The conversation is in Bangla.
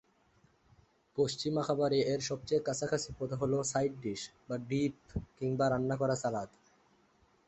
পশ্চিমা খাবারে এর সবচেয়ে কাছাকাছি পদ হল সাইড ডিশ বা ডিপ কিংবা রান্না করা সালাদ।